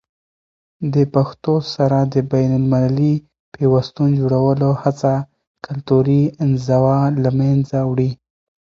د پښتو سره د بینالمللي پیوستون جوړولو هڅه کلتوري انزوا له منځه وړي.